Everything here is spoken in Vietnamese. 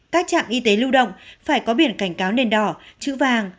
các trạm y tế lưu động phải có biển cảnh cáo nền đỏ chữ vàng